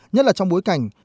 nhất là trong bối cảnh